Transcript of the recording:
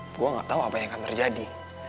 gue gak tahu apa yang akan terjadi